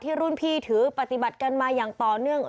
รุ่นพี่ถือปฏิบัติกันมาอย่างต่อเนื่อง